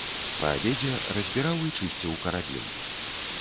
Па абедзе разбіраў і чысціў карабін.